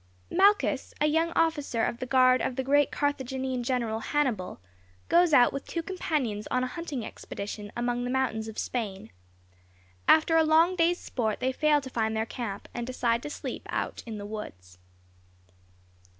"* [Malchus, a young officer of the guard of the great Carthaginian general Hannibal, goes out with two companions on a hunting expedition among the mountains of Spain. After a long day's sport they fail to find their camp, and decide to sleep out in the woods.